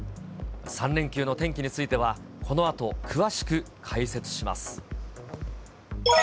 ３連休の天気については、このあと、詳しく解説します。